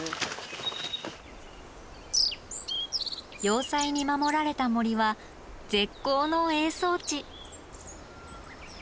要塞に守られた森は絶好の営巣地。